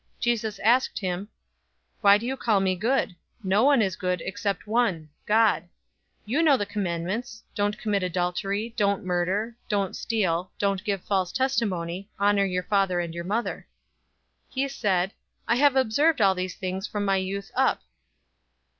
018:019 Jesus asked him, "Why do you call me good? No one is good, except one God. 018:020 You know the commandments: 'Don't commit adultery,' 'Don't murder,' 'Don't steal,' 'Don't give false testimony,' 'Honor your father and your mother.'"{Exodus 20:12 16; Deuteronomy 5:16 20} 018:021 He said, "I have observed all these things from my youth up."